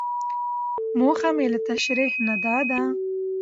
موخه مې له تشريحي نه دا ده.